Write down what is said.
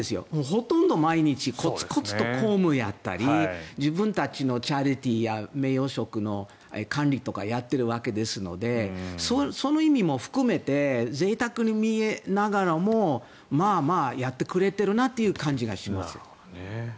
ほとんど毎日コツコツと公務をやったり自分たちのチャリティーや名誉職の管理とかをやっているわけですのでその意味も含めてぜいたくに見えながらもまあまあやってくれているなという感じがします。